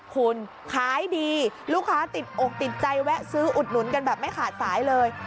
คุณขายดีลูกค้าติดอกติดใจแวะซื้ออุดหนุนกันแบบไม่ขาดสายเลย